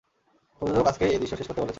প্রযোজক আজকেই এই দৃশ্য শেষ করতে বলেছে।